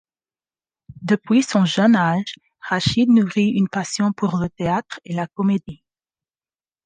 Depuis son jeune âge, Rachid nourri une passion pour le théâtre et la comédie.